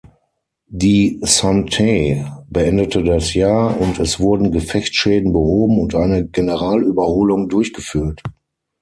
Die „Santee“ beendete das Jahr, und es wurden Gefechtsschäden behoben und eine Generalüberholung durchgeführt.